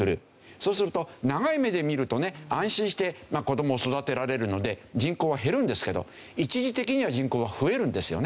そうすると長い目で見るとね安心して子どもを育てられるので人口は減るんですけど一時的には人口は増えるんですよね。